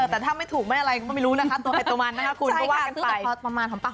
แต่ถ้าไม่ถูกไม่อะไรจะไม่รู้นะครับ